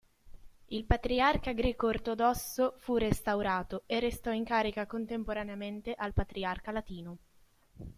Il Patriarca Greco Ortodosso fu restaurato e restò in carica contemporaneamente al Patriarca Latino.